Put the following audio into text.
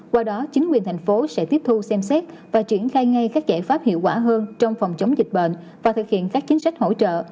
qua đó chính quyền thành phố sẽ tiếp thu xem xét và triển khai ngay các giải pháp hiệu quả hơn trong phòng chống dịch bệnh và thực hiện các chính sách hỗ trợ